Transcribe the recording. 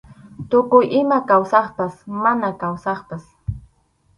Tukuy ima kawsaqpas mana kawsaqpas.